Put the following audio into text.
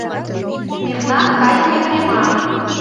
Мемнан кайыме врема.